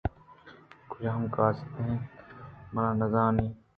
اے کجام قاصداِنت من نہ زاناں